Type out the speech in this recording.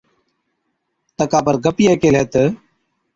تڪا پر گپِيئَي ڪيهلَي تہ،